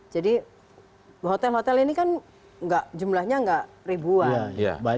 jadi hotel hotel ini kan jumlahnya gak ribuan